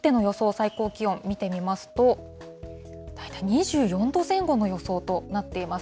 最高気温、見てみますと、大体２４度前後の予想となっています。